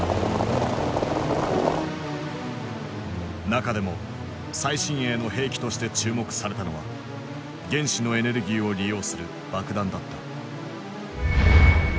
中でも最新鋭の兵器として注目されたのは原子のエネルギーを利用する爆弾だった。